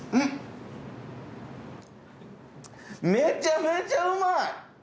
めちゃめちゃうまい！